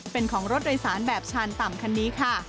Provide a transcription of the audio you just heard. เป็นของรถโดยสารแบบชานต่ำคันนี้ค่ะ